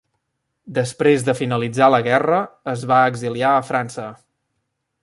Després de finalitzar la guerra es va exiliar a França.